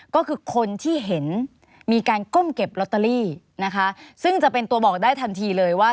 ก็คือคนที่เห็นมีการก้มเก็บลอตเตอรี่นะคะซึ่งจะเป็นตัวบอกได้ทันทีเลยว่า